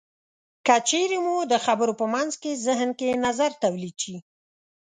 که چېرې مو د خبرو په منځ کې زهن کې نظر تولید شي.